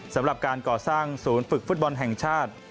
สำหรับการก่อสร้างศูนย์ฝึกฟุตบอลแห่งชาติ